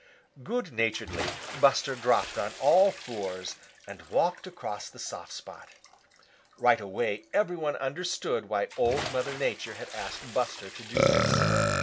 Good naturedly Buster dropped on all fours and walked across the soft spot. Right away every one understood why Old Mother Nature had asked Buster to do this.